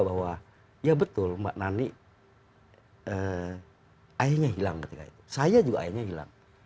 bahwa ya betul mbak nani ayahnya hilang ketika itu saya juga ayahnya hilang